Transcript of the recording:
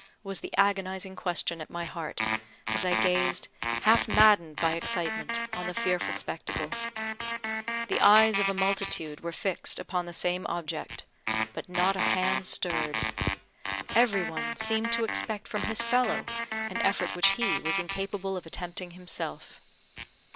was the agonising question at my heart, as I gazed, half maddened by excitement, on the fearful spectacle. The eyes of a multitude were fixed upon the same object but not a hand stirred. Every one seemed to expect from his fellow an effort which he was incapable of attempting himself.